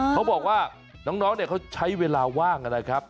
เขาบอกว่าน้องเขาใช้เวลาว่างนะครับ